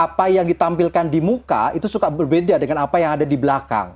apa yang ditampilkan di muka itu suka berbeda dengan apa yang ada di belakang